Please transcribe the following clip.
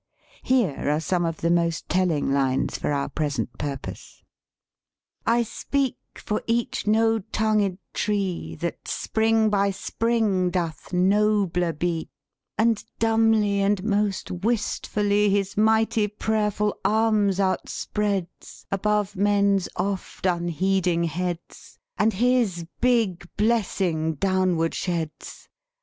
Here are some of the most telling lines for our present purpose: " I speak for each no tongued tree That, spring by spring, doth nobler be, And dumbly and most wistfully His mighty prayerful arms outspreads Above men's oft unheeding heads, And his big blessing downward sheds.